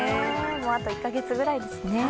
あと１か月くらいですね。